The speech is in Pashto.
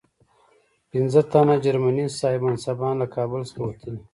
پنځه تنه جرمني صاحب منصبان له کابل څخه وتلي.